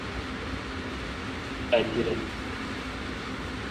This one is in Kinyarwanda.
Agira ati